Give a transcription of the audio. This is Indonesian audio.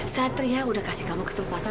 satria udah kasih kamu kesempatan